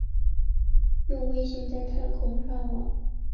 用卫星在太空上网